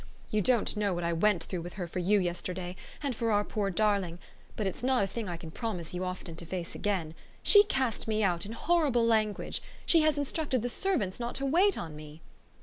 You don't know what I went through with her for you yesterday and for our poor darling; but it's not a thing I can promise you often to face again. She cast me out in horrible language she has instructed the servants not to wait on me."